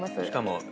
しかも。